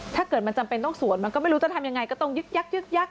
ถ้าเกิดมันจำเป็นต้องสวนมันก็ไม่รู้จะทำยังไงก็ต้องยึกยักยึกยัก